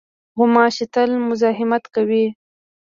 غوماشې تل مزاحمت کوي.